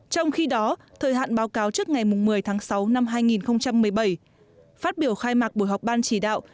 trong khi đó thời hạn báo cáo trước ngày một mươi tháng sáu năm hai nghìn một mươi bảy phát biểu khai mạc buổi họp ban chỉ đạo